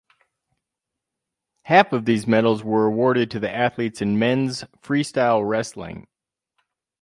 Half of these medals were awarded to the athletes in men's freestyle wrestling.